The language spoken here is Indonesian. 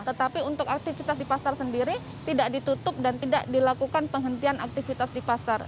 tetapi untuk aktivitas di pasar sendiri tidak ditutup dan tidak dilakukan penghentian aktivitas di pasar